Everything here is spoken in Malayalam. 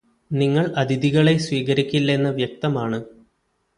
നിങ്ങള് അതിഥികളെ സ്വീകരിക്കില്ലെന്ന് വ്യക്തമാണ്